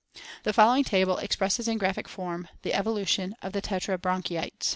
The following table expresses in graphic form the evolution of the tetrabranchiates.